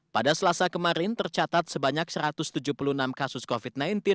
pada selasa kemarin tercatat sebanyak satu ratus tujuh puluh enam kasus covid sembilan belas